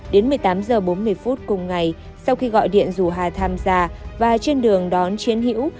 đến một mươi tám h bốn mươi phút cùng ngày sau khi gọi điện rủ hà tham gia và trên đường đón chiến hữu